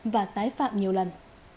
và tái phạm nhiều lần